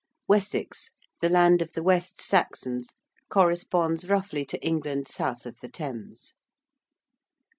~Wessex~: the land of the West Saxons corresponds roughly to England south of the Thames.